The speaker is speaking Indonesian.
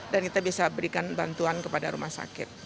dan kita bisa berikan bantuan kepada rumah sakit